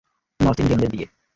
North ইন্ডিয়ানদের বিয়ে।